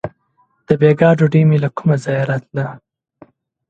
• د بېګا ډوډۍ مې له کومه ځایه راتله.